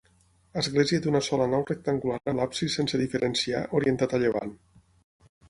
Església d'una sola nau rectangular amb l'absis sense diferenciar, orientat a llevant.